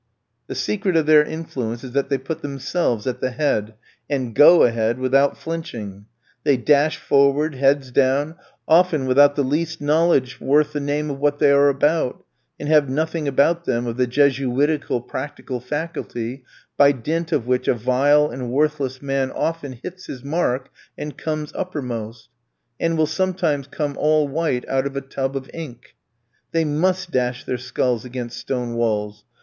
The secret of their influence is that they put themselves at the head, and go ahead, without flinching. They dash forward, heads down, often without the least knowledge worth the name of what they are about, and have nothing about them of the jesuitical practical faculty by dint of which a vile and worthless man often hits his mark and comes uppermost, and will sometimes come all white out of a tub of ink. They must dash their skulls against stone walls.